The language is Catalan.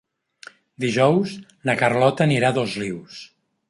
Dijous na Carlota anirà a Dosrius.